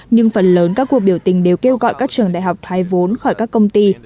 nhưng phần lớn các cuộc biểu tình đều kêu gọi các trường đại học thoái vốn khỏi các công ty